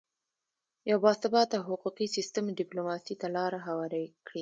یو باثباته حقوقي سیستم ډیپلوماسي ته لاره هواره کړه